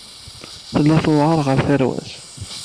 Tella tewɛer ɣer tarwa-s.